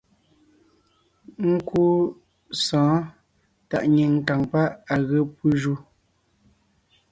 Nkúu sɔ̌ɔn tàʼ nyìŋ kàŋ páʼ à ge pú ju.